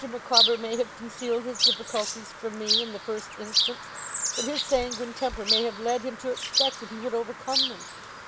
Micawber may have concealed his difficulties from me in the first instance, but his sanguine temper may have led him to expect that he would overcome them.